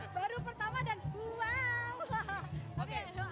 baru pertama dan wow